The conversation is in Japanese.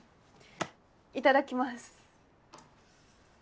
いただきます。